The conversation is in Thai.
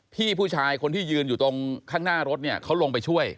พี่ผู้ชายคนที่ยืนอยู่ตรงข้างหน้ารถเนี่ยเขาลงไปช่วย